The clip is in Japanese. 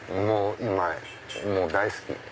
もう大好き！